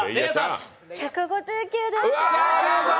１５９です。